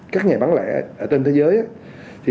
các nhà bán lẻ trên thế giới